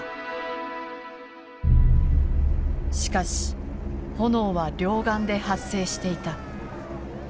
しかし炎は両岸で発生していた。